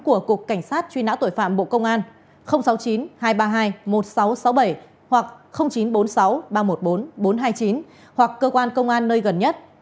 của cục cảnh sát truy nã tội phạm bộ công an sáu mươi chín hai trăm ba mươi hai một nghìn sáu trăm sáu mươi bảy hoặc chín trăm bốn mươi sáu ba trăm một mươi bốn bốn trăm hai mươi chín hoặc cơ quan công an nơi gần nhất